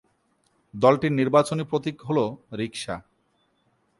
দলটির নির্বাচনী প্রতীক হল রিকশা।